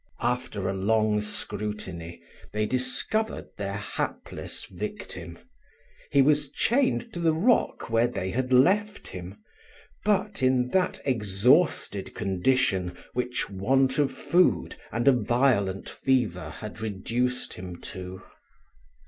After a long scrutiny, they discovered their hapless victim. He was chained to the rock where they had left him, but in that exhausted condition, which want of food, and a violent fever, had reduced him to.